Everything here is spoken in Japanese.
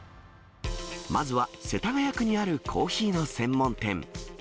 まずは世田谷区にあるコーヒーの専門店。